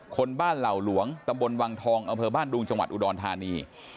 คนบ้านเหล่าหลวงตฐวังทองอบดวงจอุดรธานี